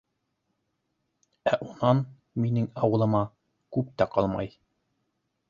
Ә унан минең ауылыма күп тә ҡалмай.